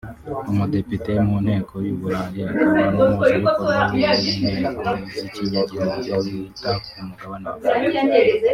umudepite mu Nteko y’uburayi akaba n’Umuhuzabikorwa w’intego z’ikinyagihumbi wita ku mugabane w’Afrika